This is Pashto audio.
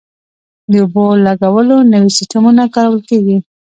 د اوبو لګولو نوي سیستمونه کارول کیږي.